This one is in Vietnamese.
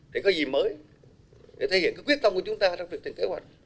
để có gì mới để thể hiện quyết tâm của chúng ta trong việc thực hiện kế hoạch